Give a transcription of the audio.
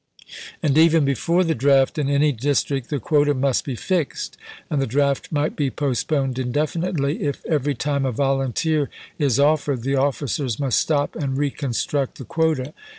And even before the draft in any district the quota must be fixed; and the draft might be postponed indefinitely if every time a vol unteer is offered the officers must stop and reconstruct the quota.